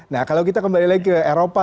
nah kalau kita kembali lagi ke eropa